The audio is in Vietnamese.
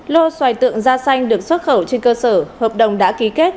lô xoài tượng da xanh được xuất khẩu trên cơ sở hợp đồng đã ký kết